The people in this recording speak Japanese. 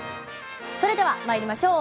それでは参りましょう。